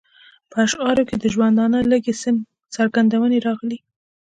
په اشعارو کې یې د ژوندانه لږې څرګندونې راغلې.